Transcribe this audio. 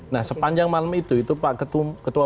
nah sepanjang malam itu itu pak ketua